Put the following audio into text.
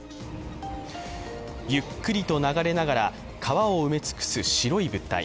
ゆっくりと流れながら川を埋め尽くす白い物体。